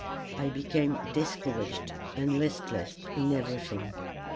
I became discouraged and listless in everything.